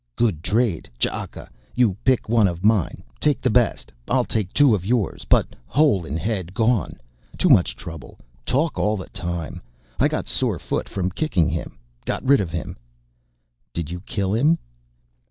"Good trade, Ch'aka. You pick one of mine, take the best, I'll take two of yours. But hole in head gone. Too much trouble. Talk all the time. I got sore foot from kicking him. Got rid of him." "Did you kill him?"